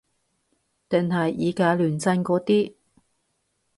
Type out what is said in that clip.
定係以假亂真嗰啲